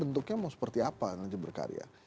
bentuknya mau seperti apa nanti berkarya